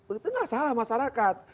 itu tidak salah masyarakat